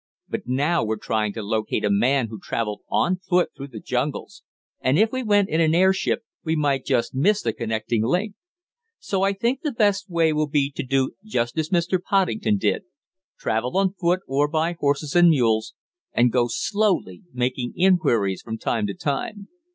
But now we're trying to locate a man who traveled on foot through the jungles, and if we went in an airship we might just miss the connecting link." "So, I think the best way will be to do just as Mr. Poddington did travel on foot or by horses and mules, and go slowly, making inquiries from time to time.